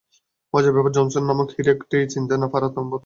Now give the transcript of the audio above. মজার ব্যাপার, জনসন নামের হীরেটিকে চিনতে পারা প্রথম জহুরিও কিন্তু লিলিই।